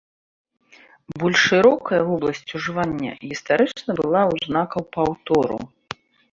Больш шырокая вобласць ужывання гістарычна была ў знакаў паўтору.